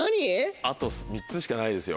あと３つしかないですよ